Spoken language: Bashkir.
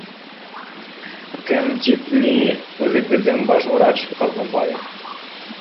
— Кем тип ни, үҙебеҙҙең баш врач Ҡаҙнабаев